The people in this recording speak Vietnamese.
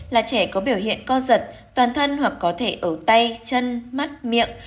là trẻ có biểu hiện co giật toàn thân hoặc có thể ở tay chân mắt miệng